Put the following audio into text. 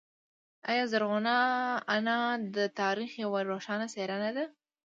آیا زرغونه انا د تاریخ یوه روښانه څیره نه ده؟